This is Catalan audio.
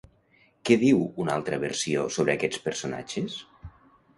Què diu una altra versió sobre aquests personatges?